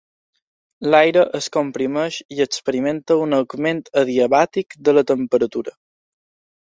L'aire es comprimeix i experimenta un augment adiabàtic de la temperatura.